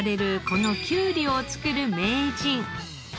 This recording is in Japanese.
このきゅうりを作る名人。